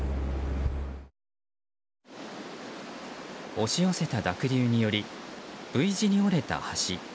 押し寄せた濁流によりＶ字に折れた橋。